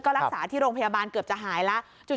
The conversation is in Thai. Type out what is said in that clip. รักษาที่โรงพยาบาลเกือบจะหายแล้ว